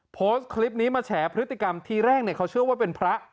โพสต์คลิปนี้มาแฉพฤติกรรมทีแรกเขาเชื่อว่าเป็นพระ